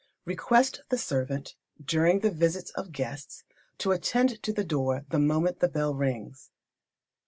Request the servant, during the visits of guests, to attend to the door the moment the bell rings.